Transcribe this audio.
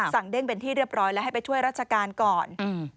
เด้งเป็นที่เรียบร้อยแล้วให้ไปช่วยราชการก่อนอืม